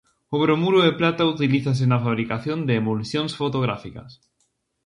O bromuro de prata utilízase na fabricación de emulsións fotográficas.